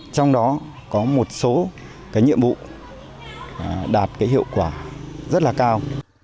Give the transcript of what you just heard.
trong đó có một số cái nhiệm vụ đạt cái hiệu quả rất là cao